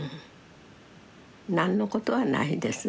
何のことはないです。